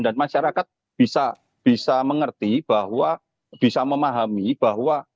dan masyarakat bisa mengerti bahwa bisa memahami bahwa